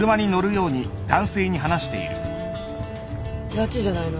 拉致じゃないの？